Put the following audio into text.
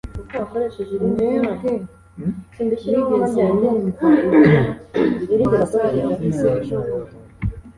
Mwebwe mwigeze mwumva ibyo Gitwaza yavuze ejo bundi?